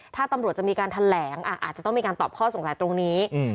ถ้าตำรวจจะมีการแถลงอาจจะต้องมีการตอบข้อสงสัยตรงนี้